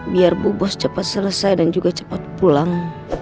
biar bu bos cepat selesai dan juga cepat pulang